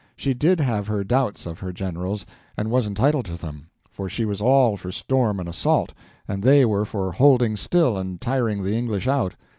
She did have her doubts of her generals, and was entitled to them, for she was all for storm and assault, and they were for holding still and tiring the English out.